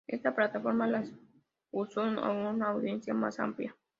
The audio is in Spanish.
Esta plataforma la expuso a una audiencia más amplia.